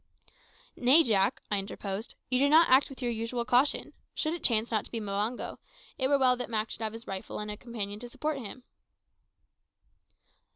"Nay, Jack," I interposed; "you do not act with your usual caution. Should it chance not to be Mbango, it were well that Mak should have his rifle and a companion to support him."